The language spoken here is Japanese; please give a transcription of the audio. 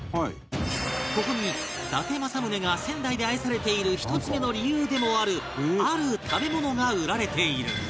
ここに伊達政宗が仙台で愛されている１つ目の理由でもあるある食べ物が売られている